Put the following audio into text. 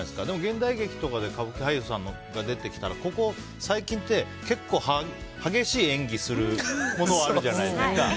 でも、現代劇とかで歌舞伎俳優さんが出てきたらここ最近って結構激しい演技するものがあるじゃないですか。